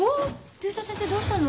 竜太先生どうしたの？